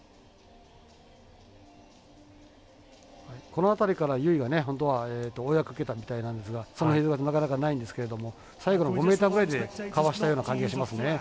この辺りから由井が本当は追い上げかけたみたいなんですがその映像だとなかなかないんですけれども最後の５ｍぐらいでかわしたような感じがしますね。